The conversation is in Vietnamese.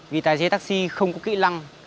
vì tài xế taxi không có kỹ lăng